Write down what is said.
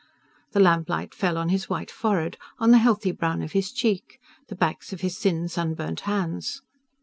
The lamplight fell on his white forehead, on the healthy brown of his cheek, the backs of his thin sunburnt hands.